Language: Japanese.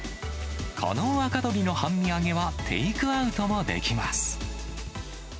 この若鳥の半身揚げはテイクアウトもできます。